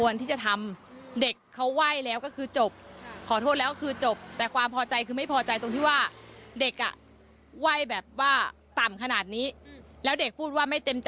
แล้วเด็กพูดว่าไม่เต็มใจไหว้